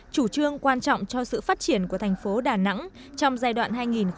chủ trương quan trọng cho sự phát triển của tp đà nẵng trong giai đoạn hai nghìn một mươi tám hai nghìn hai mươi